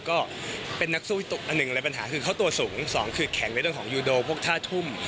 ก็เป็นนักสู้อันหนึ่งเลยปัญหาคือเขาตัวสูงสองคือแข็งในเรื่องของยูโดพวกท่าทุ่ม